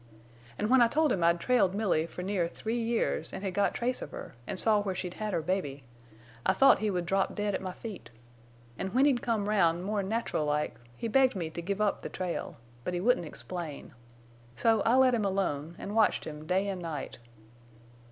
An' when I told him I'd trailed Milly for near three years an' had got trace of her, an' saw where she'd had her baby, I thought he would drop dead at my feet. An' when he'd come round more natural like he begged me to give up the trail. But he wouldn't explain. So I let him alone, an' watched him day en' night.